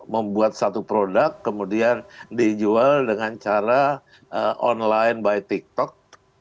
membuat satu produk kemudian dijual dengan cara online by tiktok